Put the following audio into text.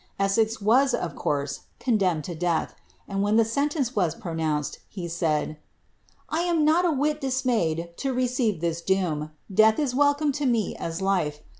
Essex was, of course, condemned to death ; and when the sentence was pronounced, he said, " I am not a whit dismayed to receive this doom. Death is welcome lo me as life.